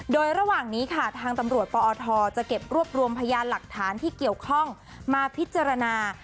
โดยระหว่างนี้ค่ะทางตำรวจปอทจะเก็บรวบรวมพยานหลักฐานที่เกี่ยวข้องมาพิจารณา